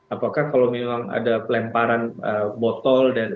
apakah kalau memang ada pelemparan botol